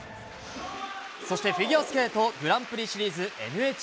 そしてフィギュアスケートグランプリシリーズＮＨＫ杯。